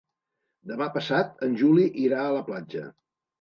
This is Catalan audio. Demà passat en Juli irà a la platja.